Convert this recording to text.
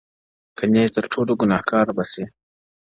كنې تــر ټــولـــو گــناه كـاره بــــــه ســـــــــې،